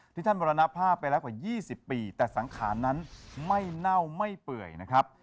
ท่านมรณภาพไปแล้วกว่า๒๐ปีแต่สังขารนั้นไม่เน่าไม่เปื่อยนะครับ